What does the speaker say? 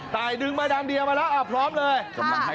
ดึงมาดามเดียมาแล้วพร้อมเลย